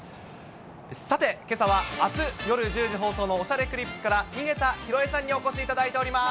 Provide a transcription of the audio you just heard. さて、けさは、あす夜１０時放送のおしゃれクリップから、井桁弘恵さんにお越しいただいております。